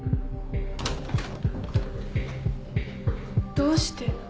・どうして。